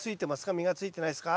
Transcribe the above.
実がついてないですか？